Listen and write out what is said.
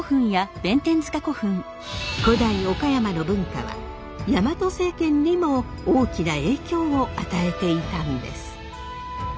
古代岡山の文化はヤマト政権にも大きな影響を与えていたんです。